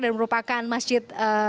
dan merupakan masjid